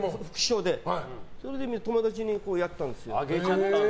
それで友達にやってたんですよ。